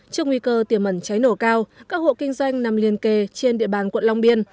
trước nguy cơ tiềm ẩn cháy nổ cao các hộ kinh doanh nằm liên kề trên địa bàn quận long biên